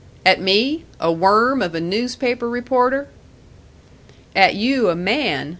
"At me? A worm of a newspaper reporter?" "At you, a man!"